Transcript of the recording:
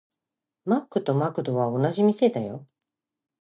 マックとマクドは同じ店だよ。